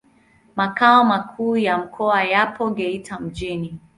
Makao makuu ya mkoa yapo Geita mjini.